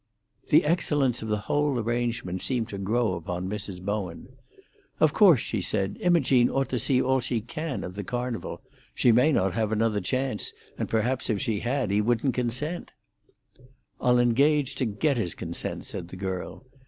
The excellence of the whole arrangement seemed to grow upon Mrs. Bowen. "Of course," she said, "Imogene ought to see all she can of the Carnival. She may not have another chance, and perhaps if she had, he wouldn't consent." "I'll engage to get his consent," said the girl.